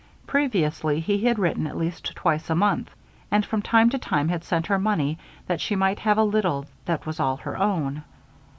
Previously, he had written at least twice a month and, from time to time, had sent her money; that she might have a little that was all her own.